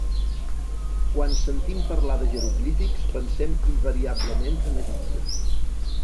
Quan sentim parlar de jeroglífics pensem invariablement en Egipte.